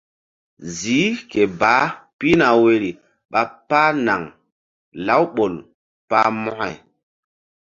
Ziih ke baah pihna woyri ɓa páh naŋ lawɓol pah mokȩ.